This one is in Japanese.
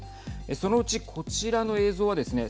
そのうち、こちらの映像はですね